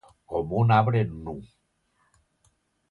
Com un arbre nu.